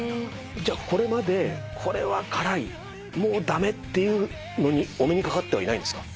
じゃあこれまでこれは辛いもう駄目っていうのにお目にかかってはいないんですか？